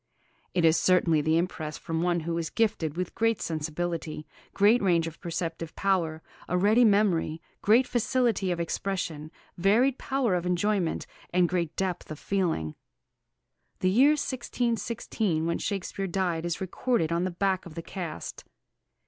It is certainly the impress from one who was gifted with great sensibility, great range of perceptive power, a ready memory, great facility of expression, varied power of enjoyment, and great depth of feeling. The year 1616, when Shakespeare died, is recorded on the back of the cast.